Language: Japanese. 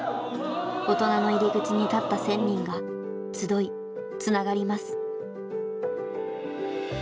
大人の入り口に立った１，０００人が集いつながります。